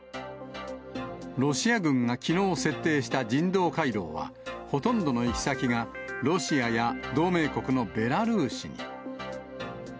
ロシア軍がきのう設定した人道回廊は、ほとんどの行き先が、ロシアや同盟国のベラルーシに。